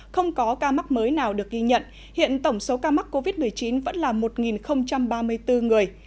không có ca mắc mới nào được ghi nhận hiện tổng số ca mắc covid một mươi chín vẫn là một ba mươi bốn người